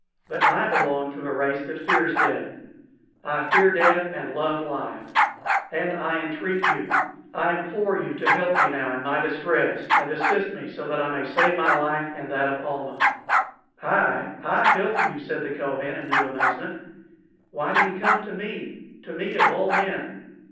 But I belong to a race that fears death. I fear death and love life; and I entreat you, I implore you to help me now in my distress, and assist me so that I may save my life and that of Almah." "I I help you!" said the Kohen, in new amazement. "Why do you come to me to me, of all men?